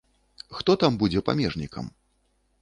Хто там будзе памежнікам?